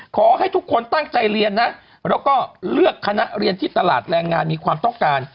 ขอให้ทุกคนตั้งใจเรียนนะแล้วก็เลือกคณะเรียนที่ตลาดแรงงานมีความต้องการ